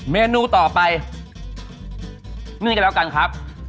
เมนูต่อไปนี่ก็แล้วกันครับ